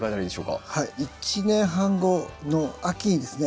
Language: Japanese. １年半後の秋にですね